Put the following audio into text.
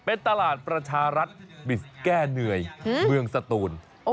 เป็นตลาดประชารัฐบิสแก้เหนื่อยเมืองสตูน